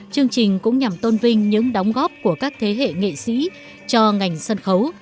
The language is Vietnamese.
chương trình cũng nhằm tôn vinh những đóng góp của các thế hệ nghệ sĩ cho ngành sân khấu